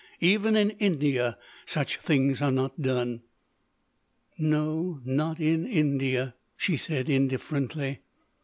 Even in India such things are not done." "No, not in India," she said, indifferently.